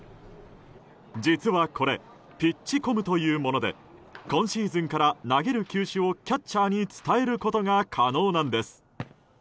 実はこれピッチコムというもので今シーズンから投げる球種をキャッチャーに伝えることが可能なんです。